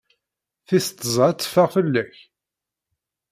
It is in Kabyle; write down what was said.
Tis tẓa ad teffeɣ fell-ak?